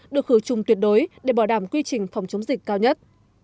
được khử trùng tuyệt đối để bỏ đảm quy trình phòng chống dịch cao nhất